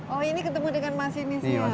oh ini ketemu dengan masinis juga